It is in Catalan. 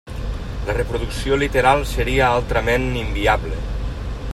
La reproducció literal seria altrament inviable.